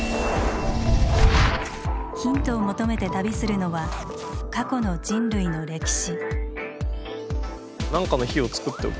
ヒントを求めて旅するのは過去の人類の歴史。